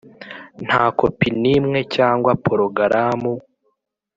Nta kopi n imwe cyangwa porogaramu